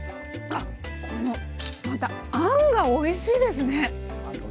あっこのまたあんがおいしいですね！